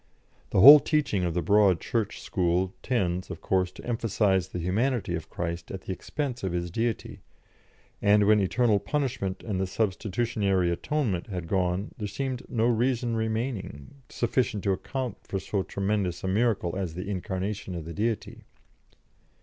The whole teaching of the Broad Church school tends, of course, to emphasise the humanity of Christ at the expense of His Deity, and when eternal punishment and the substitutionary atonement had gone there seemed no reason remaining sufficient to account for so tremendous a miracle as the incarnation of the Deity.